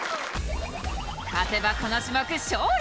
勝てばこの種目勝利。